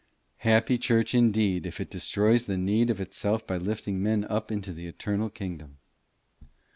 Happy church indeed, if it destroys the need of itself by lifting men up into the eternal kingdom!